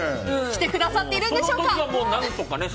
来てくださっているんでしょうか。